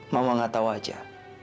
mama gak tahu aja